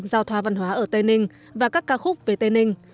giao thoa văn hóa ở tây ninh và các ca khúc về tây ninh